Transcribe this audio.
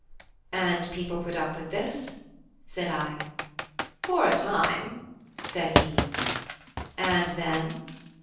"And people put up with this?" said I. "For a time," said he. "And then?"